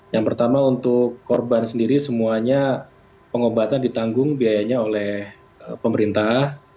yang pertama untuk korban sendiri semuanya pengobatan ditanggung biayanya oleh pemerintah